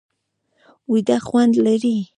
ویده خوند لري